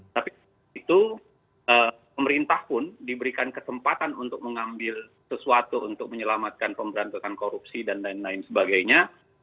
tapi itu pemerintah pun diberikan kesempatan untuk mengambil sesuatu untuk menyelamatkan pemberantasan korupsi dan lain lain sebagainya